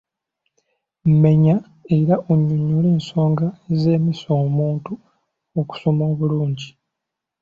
Menya era onnyonnyole ensonga eziremesa omuntu okusoma obulungi.